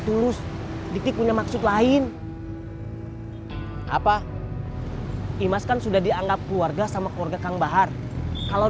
tulus diki punya maksud lain apa imas kan sudah dianggap keluarga sama keluarga kang bahar kalau